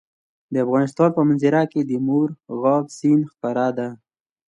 د افغانستان په منظره کې مورغاب سیند ښکاره ده.